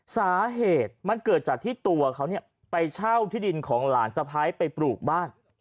สาเหตุมันเกิดจากที่ตัวเขาไปเช่าที่ดินของหลานสะพ้ายไปปลูกบ้าน